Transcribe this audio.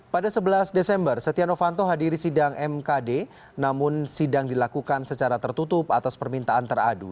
pada sebelas desember setia novanto hadiri sidang mkd namun sidang dilakukan secara tertutup atas permintaan teradu